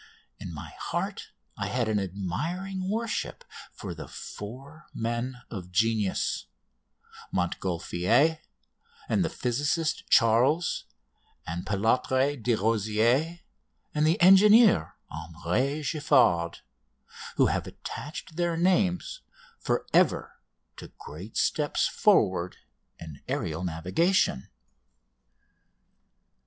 In my heart I had an admiring worship for the four men of genius Montgolfier, and the physicist, Charles, and Pilâtre de Rozier, and the engineer, Henry Giffard who have attached their names for ever to great steps forward in aerial navigation.